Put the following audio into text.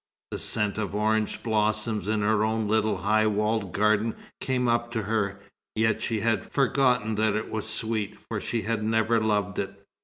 The scent of orange blossoms in her own little high walled garden came up to her; yet she had forgotten that it was sweet, for she had never loved it.